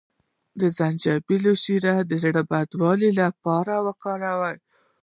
د زنجبیل شیره د زړه بدوالي لپاره وکاروئ